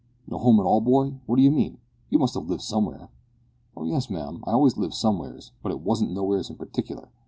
"No home at all, boy; what do you mean? You must have lived somewhere." "Oh yes, ma'am, I always lived somewheres, but it wasn't nowheres in partikler.